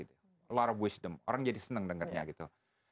a lot of wisdom orang jadi seneng dengarnya gitu